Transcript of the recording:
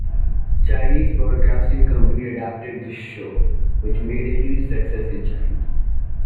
Chinese broadcasting company adapted this show, which made a huge success in China.